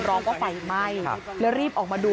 ร้องว่าไฟไหม้เลยรีบออกมาดู